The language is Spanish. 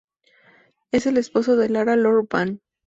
Es el esposo de Lara Lor-Van.